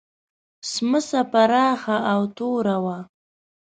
سمڅه پراخه او توره وه.